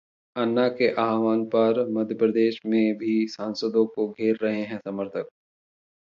अन्ना के आह्वान पर मप्र में भी सांसदों को घेर रहे हैं समर्थक